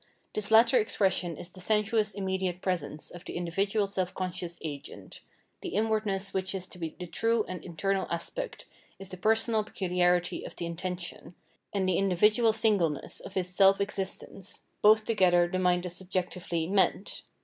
This latter expression is the sensuous immediate presence of the individual self conscious agent : the inwardness which is to be the true and internal aspect, is the personal pecuharity of the in tention, and the individual singleness of his self exist ence — both together the mind as subjectively " meant."